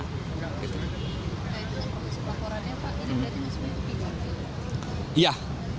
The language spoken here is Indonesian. terkait dengan pelanggaran undang undang pers dan kawapipidana